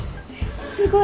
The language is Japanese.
すごい！